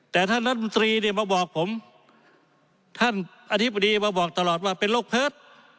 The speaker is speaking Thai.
แต่ท่านรัฐมนตรีเนี่ยมาบอกผมท่านอธิบดีมาบอกตลอดว่าเป็นโรคเพิร์ต